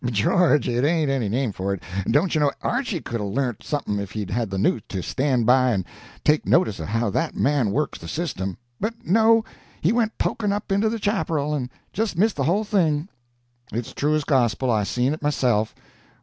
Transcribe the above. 'George! it ain't any name for it. Dontchuknow, Archy could 've learnt something if he'd had the nous to stand by and take notice of how that man works the system. But no; he went poking up into the chaparral and just missed the whole thing." "It's true as gospel; I seen it myself.